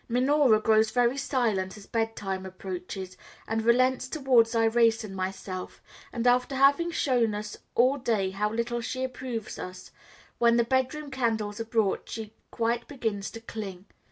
Minora grows very silent as bed time approaches, and relents towards Irais and myself; and, after having shown us all day how little she approves us, when the bedroom candles are brought she quite begins to cling.